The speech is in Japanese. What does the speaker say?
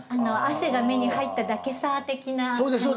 「汗が目に入っただけさ」的な感じですね。